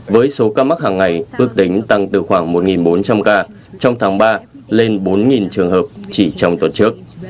với số ca mắc hàng ngày ước tính tăng từ khoảng một bốn trăm linh ca trong tháng ba lên bốn trường hợp chỉ trong tuần trước